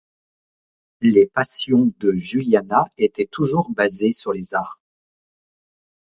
Les passions de Juliana étaient toujours basées sur les arts.